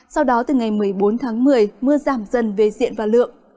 sau đó từ ngày một mươi bốn tháng một mươi mưa giảm dần về diện và lượng